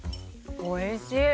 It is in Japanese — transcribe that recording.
おいしい。